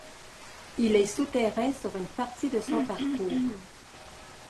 Il est souterrain sur une partie de son parcours.